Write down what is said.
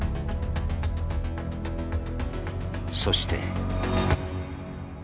そして。